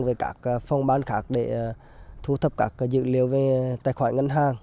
với các phong bán khác để thu thập các dự liệu về tài khoản ngân hàng